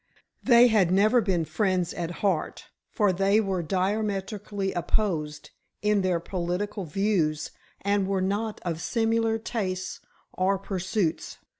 They had never been friends at heart, for they were diametrically opposed in their political views, and were not of similar tastes or pursuits.